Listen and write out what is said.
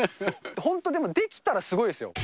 本当、でも、できたらすごいですよ。